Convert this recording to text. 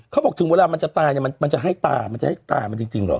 เขาบอกถึงเวลามันจะตายเนี้ยมันมันจะให้ตามันจะให้ตามันจริงจริงหรอ